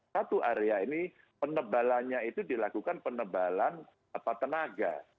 satu area ini penebalannya itu dilakukan penebalan tenaga